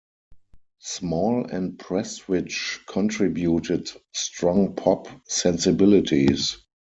Small and Prestwich contributed strong pop sensibilities.